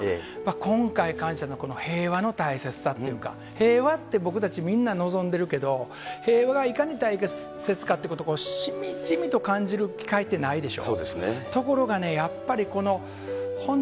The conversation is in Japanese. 今回感じたのは平和の大切さっていうか、平和って、僕たちみんな望んでるけど、平和がいかに大切かっていうこと、しみじみと感じる機会ってないでしょ。